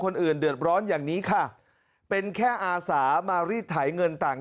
คนอื่นเดือดร้อนอย่างนี้ค่ะเป็นแค่อาสามารีดไถเงินต่าง